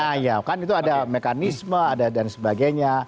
iya kan itu ada mekanisme dan sebagainya